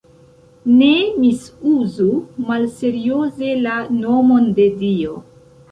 Ne misuzu malserioze la nomon de Dio.